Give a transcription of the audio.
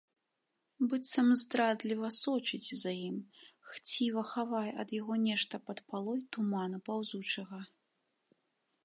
Быццам здрадліва сочыць за ім, хціва хавае ад яго нешта пад палой туману паўзучага.